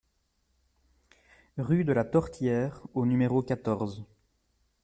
Rue de la Tortière au numéro quatorze